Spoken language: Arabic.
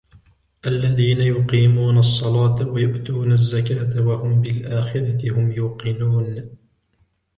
الذين يقيمون الصلاة ويؤتون الزكاة وهم بالآخرة هم يوقنون